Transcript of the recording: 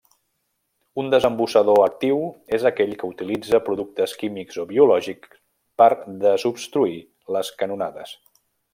Un desembussador actiu és aquell que utilitza productes químics o biològics per desobstruir les canonades.